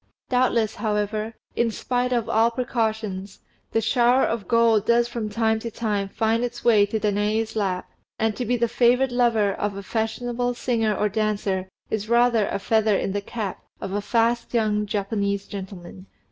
Doubtless, however, in spite of all precautions, the shower of gold does from time to time find its way to Danaë's lap; and to be the favoured lover of a fashionable singer or dancer is rather a feather in the cap of a fast young Japanese gentleman.